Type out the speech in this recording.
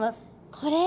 これ。